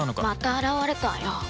また現れたわよ